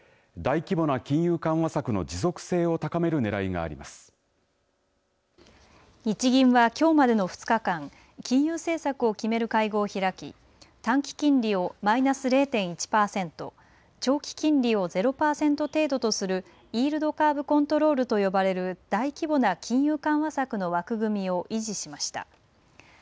賃金の上昇を伴う物価安定目標の達成に向け大規模な金融緩和策の持続性を日銀はきょうまでの２日間金融政策を決める会合を開き短期金利をマイナス０．１パーセント長期金利を０パーセント程度とするイールドカーブ・コントロールと呼ばれる大規模な金融緩和策の枠組みを維持しました。